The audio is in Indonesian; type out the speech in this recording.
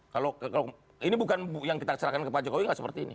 kalau kalau ini bukan yang kita serahkan kepada jokowi enggak seperti ini